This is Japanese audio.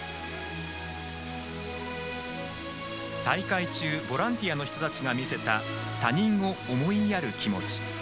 大会中ボランティアの人たちが見せた他人を思いやる気持ち。